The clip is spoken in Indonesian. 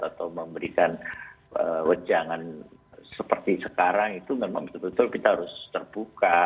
atau memberikan wejangan seperti sekarang itu memang betul betul kita harus terbuka